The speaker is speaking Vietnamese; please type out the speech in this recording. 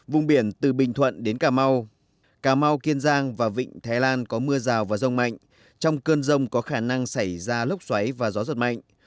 vùng biển từ bình thuận đến cà mau cà mau kiên giang và vịnh thái lan có mưa rào và rông mạnh trong cơn rông có khả năng xảy ra lốc xoáy và gió giật mạnh